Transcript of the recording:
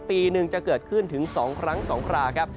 ปีหนึ่งจะเกิดขึ้นถึง๒ครั้ง๒คราครับ